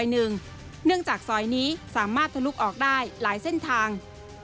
เนื่องจากซอยนี้สามารถทะลุออกได้หลายเส้นทาง